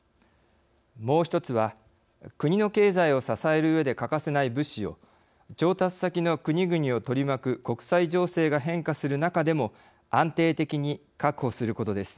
もう一つは国の経済を支えるうえで欠かせない物資を調達先の国々を取り巻く国際情勢が変化する中でも安定的に確保することです。